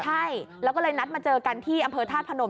ใช่แล้วก็เลยนัดมาเจอกันที่อำเภอธาตุพนม